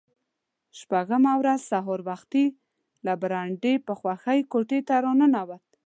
شپږمه ورځ سهار وختي له برنډې په خوښۍ کوټې ته را ننوت.